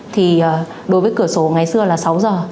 thì đối với cửa sổ ngày xưa là sáu giờ